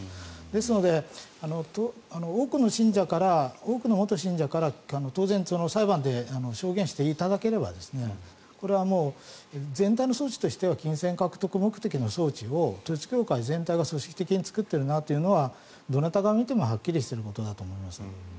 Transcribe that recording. ですので多くの元信者から当然、裁判で証言していただければこれはもう、全体の装置としては金銭獲得目的の装置を統一教会全体が組織的に作っているなというのはどなたが見てもはっきりしていることだと思います。